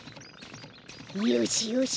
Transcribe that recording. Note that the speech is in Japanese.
よしよし